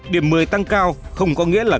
điểm một mươi tăng cao không có nghĩa là